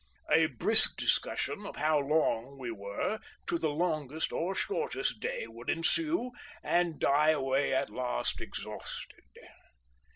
A brisk discussion of how long we were to the longest or shortest day would ensue, and die away at last exhausted.